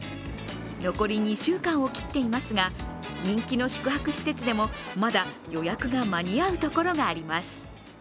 残り２週間を切っていますが人気の宿泊施設でもまだ予約が間に合う所があります。